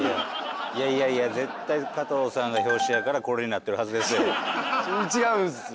いやいやいや絶対加藤さんが表紙やからこれになってるはずですよ。